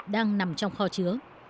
đang nằm trong kho chứa